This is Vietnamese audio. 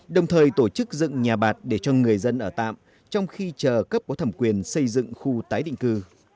đồng thời tổ chức dựng nhà bạc để cho người dân ở tạm trong khi chờ cấp có thẩm quyền xây dựng khu tái định cư